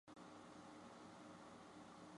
与陈瑞祺书院联系。